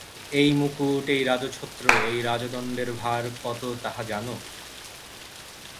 এই মুকুট, এই রাজছত্র, এই রাজদণ্ডের ভার কত তাহা জান?